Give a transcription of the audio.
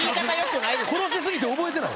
殺し過ぎて覚えてない。